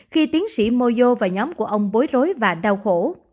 khi tiến sĩ mojo và nhóm của ông bối rối và đau khổ